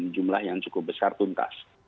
jumlah yang cukup besar tuntas